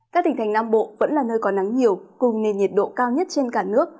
các tỉnh thành nam bộ vẫn là nơi có nắng nhiều cùng nền nhiệt độ cao nhất trên cả nước